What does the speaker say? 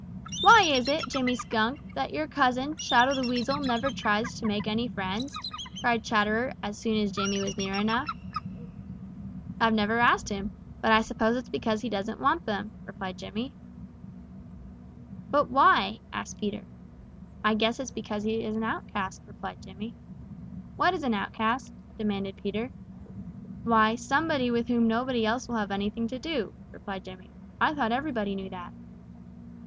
"Why is it, Jimmy Skunk, that your cousin, Shadow the Weasel, never tries to make any friends?" cried Chatterer, as soon as Jimmy was near enough. "I've never asked him, but I suppose it's because he doesn't want them," replied Jimmy. "But why?" asked Peter. "I guess it's because he is an outcast," replied Jimmy. "What is an outcast," demanded Peter. "Why, somebody with whom nobody else will have anything to do, stupid," replied Jimmy. "I thought everybody knew that."